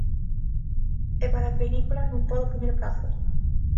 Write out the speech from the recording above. E para a película non podo poñer prazos.